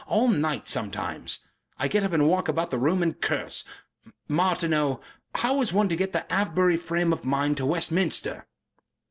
All night sometimes.... I get up and walk about the room and curse.... Martineau, how is one to get the Avebury frame of mind to Westminster?"